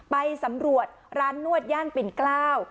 ไปสำรวจร้านนวดย่านปิ่นเกล้า